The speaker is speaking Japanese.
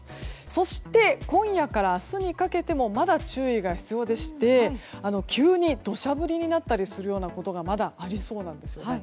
そして今夜から明日にかけてもまだ注意が必要でして急に土砂降りになったりするようなことがまだありそうなんです。